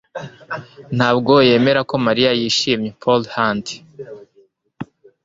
ntabwo yemera ko Mariya yishimye. (pauldhunt)